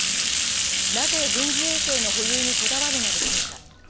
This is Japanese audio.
なぜ、軍事衛星の保有にこだわるのでしょうか。